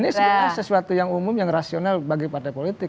jadi ini sebenarnya sesuatu yang umum yang rasional bagi partai politik